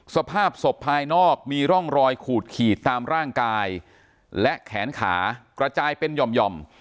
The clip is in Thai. สภาพศพภายนอกมีร่องรอยขูดขีดตามร่างกายและแขนขากระจายเป็นหย่อม